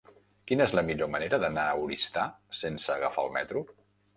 Quina és la millor manera d'anar a Oristà sense agafar el metro?